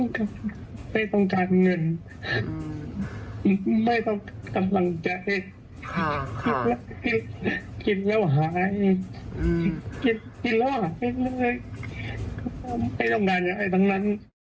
คือคุณหมอว่าไงค่ะ